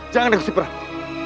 jangan gusti prabu